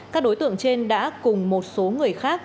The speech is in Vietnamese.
các đối tượng trên đã cùng một số người khác